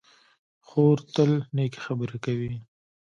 خور تل نېکې خبرې کوي.